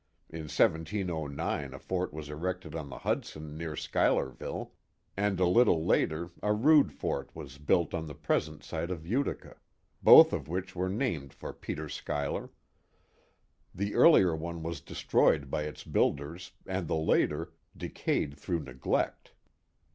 In t709 a fort was erected on the Hudson near Schuylerville, and a little later a rude fo:t was built on the present site of Utica, both of which were named for Peter Schuyler. The earlier one was destroyed by its builders, and the later, decayed through neglect.